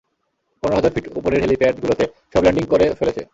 পনের হাজার ফিট উপরের হ্যাঁলিপ্যাড গুলোতে সব ল্যানডিং করে ফেলেছে।